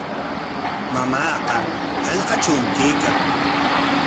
Mamaaqa hallqatrawmi kaykan.